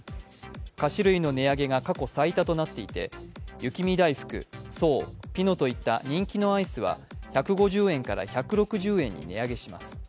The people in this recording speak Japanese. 菓子類の値上げが過去最多となっていて、雪見だいふく、爽、ピノといった人気のアイスは１５０円から１６０円に値上げします。